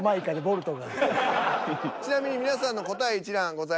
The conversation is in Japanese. ちなみに皆さんの答え一覧ございます。